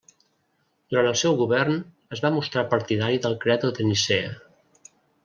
Durant el seu govern es va mostrar partidari del credo de Nicea.